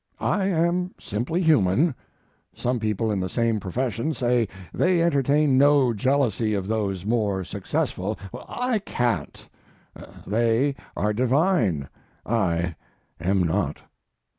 I am simply human. Some people in the same profession say they entertain no jealousy of those more successful. I can't. They are divine; I am not.